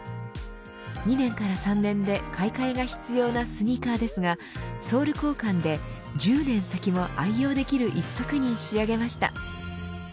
２年から３年で買い替えが必要なスニーカーですがソール交換で１０年先も愛用できる一足に仕上げました。